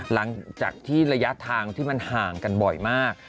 หลังจากที่ระยะทางที่มันห่างกันบ่อยมาก